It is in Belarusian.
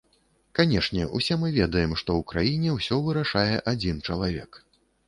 Канешне, усе мы ведаем, што ў краіне ўсё вырашае адзін чалавек.